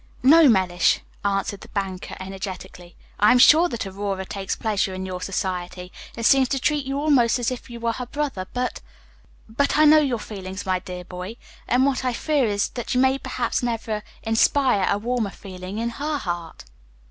"No, Mellish," answered the banker, energetically. "I am sure that Aurora takes pleasure in your society, and seems to treat you almost as if you were her brother; but but I know your feelings, my dear boy, and what I fear is, that you may perhaps never inspire a warmer feeling in her heart."